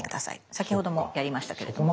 先ほどもやりましたけれども。